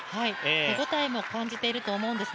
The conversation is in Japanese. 手応えも感じていると思うんです。